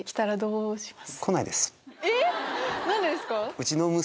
えっ何でですか？